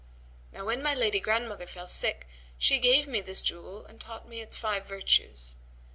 Now when my lady grandmother fell sick, she gave me this jewel and taught me its five virtues.